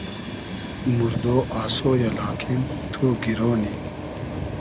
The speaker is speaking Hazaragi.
موردۉ آسۉ یۂ لاکین تو گیرۉ نی